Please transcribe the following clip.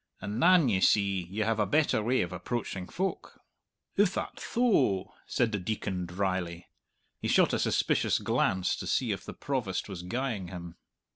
And than, ye see, you have a better way of approaching folk!" "Ith that tho?" said the Deacon dryly. He shot a suspicious glance to see if the Provost was guying him.